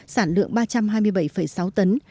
sản lượng ba trăm hai mươi bảy sáu tấn